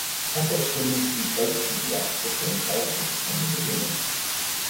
Ethics will need to be baked into Artificial Intelligence from the beginning.